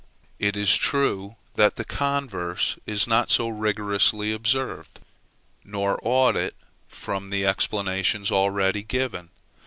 It is true that the converse is not so rigorously observed: nor ought it, from the explanations already given.